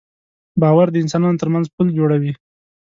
باور د انسانانو تر منځ پُل جوړوي.